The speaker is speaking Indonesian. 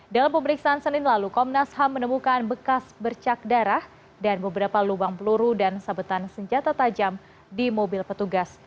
dalam pemeriksaan senin lalu komnas ham menemukan bekas bercak darah dan beberapa lubang peluru dan sabetan senjata tajam di mobil petugas